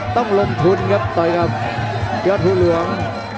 ต้องลงทุนครับต่อยกับยอดภูเหลือง